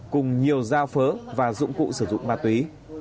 cùng nhiều giao phớ và dụng cụ sử dụng ma túy